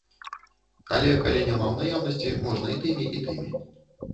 Але калі няма ў наяўнасці, можна і тымі, і тымі.